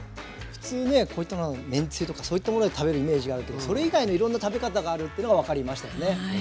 普通ねめんつゆとかそういったもので食べるイメージがあるけどそれ以外のいろんな食べ方があるというのが分かりましたね。